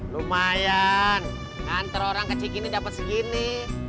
lumayan kantor orang kecil gini dapet segini